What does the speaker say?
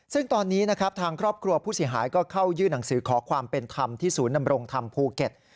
ซึ่งตอนนี้นะครับทางครอบครัวผู้เสียหายก็เข้ายื่นหนังสือขอความเป็นธรรมที่ศูนย์นำรงธรรมภูเก็ต